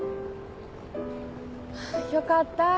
よかったー。